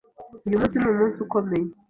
Uyu munsi ni umunsi ukomeye.